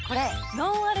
ノンアル⁉